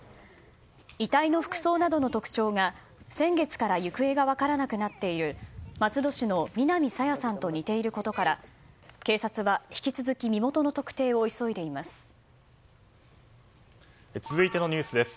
遺体の服装などの特徴が先月から行方が分からなくなっている松戸市の南朝芽さんと似ていることから警察は、引き続き身元の特定を急いでいます。